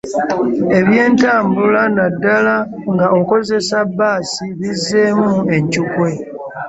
Eby'entambula naddala nga okozesa bbaasi bizzeemu enkyukwe.